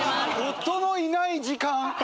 『夫のいない時間』？